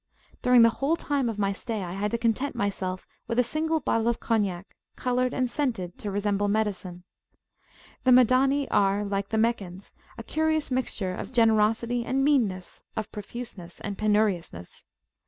During the whole time of my stay I had to content myself with a single bottle of Cognac, coloured and scented to resemble medicine. The Madani are, like the Meccans, a curious mixture of generosity and meanness, of profuseness and penuriousness.